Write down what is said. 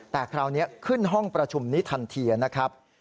แต่คราวนี้ขึ้นห้องประชุมนี้ทันทีนะครับ